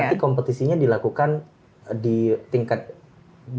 nanti kompetisinya dilakukan di tingkat jogja dulu atau tingkat jogja